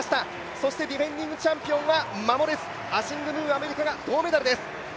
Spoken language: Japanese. そしてディフェンディングチャンピオン、アシング・ムー、アメリカが銅メダルです。